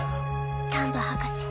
丹波博士